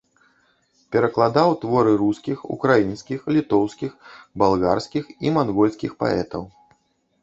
Перакладаў творы рускіх, украінскіх, літоўскіх, балгарскіх і мангольскіх паэтаў.